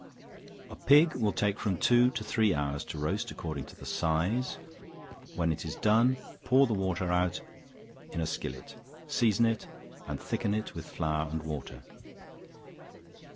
A pig will take from two to three hours to roast, according to the size; when it is done, pour the water out in a skillet; season it and thicken it with flour and water.